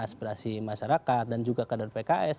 aspirasi masyarakat dan juga kader pks